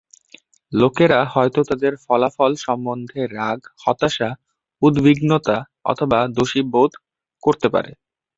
লোকেরা হয়তো তাদের ফলাফল সম্বন্ধে রাগ, হতাশা, উদ্বিগ্নতা অথবা দোষী বোধ করতে পারে।